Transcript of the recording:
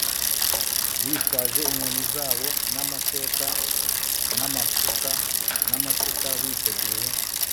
bitwaje inkoni zabo n'amashoka n'amasuka n'amasuka, biteguye